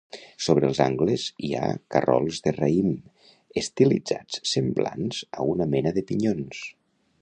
Sobre els angles hi ha carrolls de raïm estilitzats semblants a una mena de pinyons.